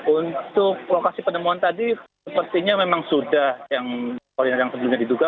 untuk lokasi penemuan tadi sepertinya memang sudah yang koordinar yang sebelumnya diduga